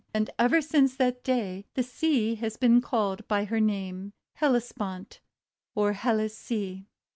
And ever since that day the sea has been called by her name — the Hellespont, or Helle's Sea.